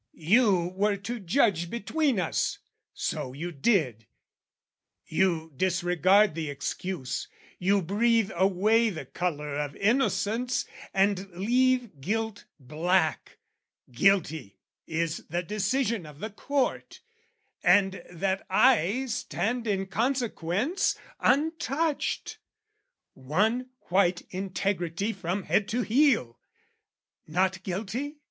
You were to judge between us; so you did. You disregard the excuse, you breathe away The colour of innocence and leave guilt black, "Guilty" is the decision of the court, And that I stand in consequence untouched, One white intergity from head to heel. Not guilty?